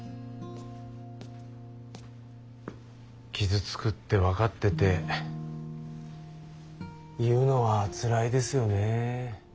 傷つくって分かってて言うのはつらいですよね。